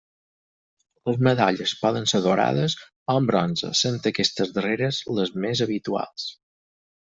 Les medalles poden ser daurades o en bronze, sent aquestes darreres les més habituals.